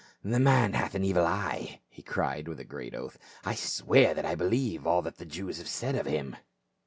" The man hath an evil eye !" he cried with a great oath. " I swear that I believe all that the Jews have said of him."